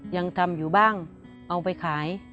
ยังทำอยู่บ้างเอาไปขาย